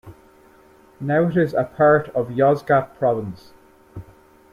Now it is a part of Yozgat Province.